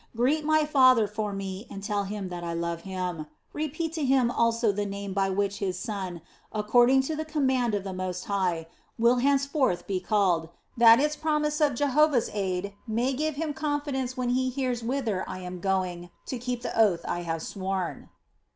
Greet my father for me and tell him that I love him. Repeat to him also the name by which his son, according to the command of the Most High, will henceforth be called, that its promise of Jehovah's aid may give him confidence when he hears whither I am going to keep the oath I have sworn."